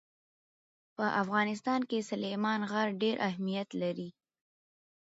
په افغانستان کې سلیمان غر ډېر اهمیت لري.